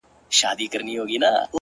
• څاڅکي څاڅکي مي د اوښکو ,